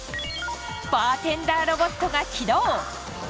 バーテンダーロボットが起動。